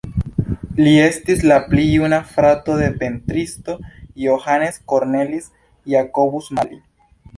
Li estis la pli juna frato de pentristo Johannes Cornelis Jacobus Mali.